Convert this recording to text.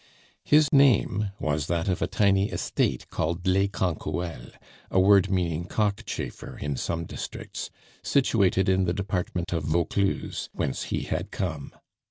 His name was that of a tiny estate called les Canquoelles, a word meaning cockchafer in some districts, situated in the department of Vaucluse, whence he had come.